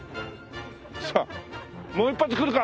さあもう一発くるか？